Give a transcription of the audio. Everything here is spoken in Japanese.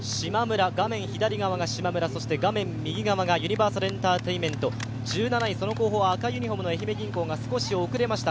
画面左側がしまむら、右側がユニバーサルエンターテインメント、１７位、その後方は愛媛銀行が少し遅れました。